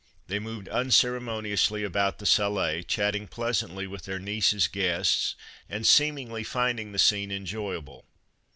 They moved unceremoniously about the salle, chatting pleasantly with their niece's guests and seemingly finding the scene enjoyable.